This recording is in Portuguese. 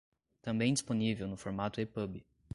também disponível no formato ePub